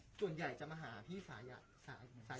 ส่วนใหญ่จะมาหาที่สายยนต์